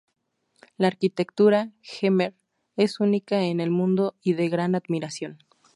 La arquitectura jemer es única en el mundo y de gran admiración.